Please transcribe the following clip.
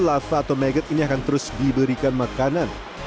lava atau maght ini akan terus diberikan makanan